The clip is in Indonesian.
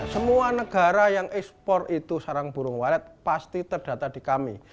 semua negara yang ekspor itu sarang burung walet pasti terdata di kami